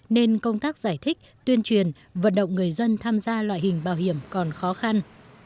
nên công tác giải thích tuyên truyền vận động người dân tham gia loại hình bảo hiểm còn khó khăn